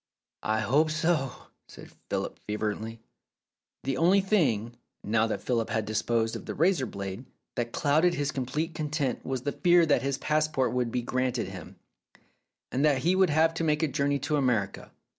"I hope so," said Philip fervently. The only thing, now that Philip had disposed of 309 Philip's Safety Razor the razor blade, that clouded his complete content was the fear that his passport would be granted him, and that he would have to make a journey to America.